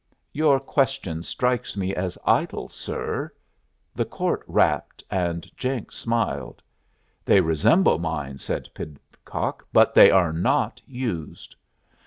"Your question strikes me as idle, sir." The court rapped, and Jenks smiled. "They resemble mine," said Pidcock. "But they are not used."